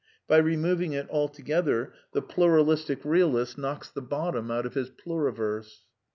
By removing it altogether, the pluralistic realist knocks the bottom out of his pluriverse.